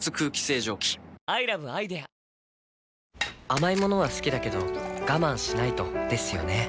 甘い物は好きだけど我慢しないとですよね